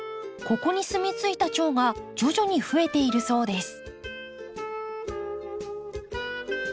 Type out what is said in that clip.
ここに住み着いたチョウが徐々に増えているそうです。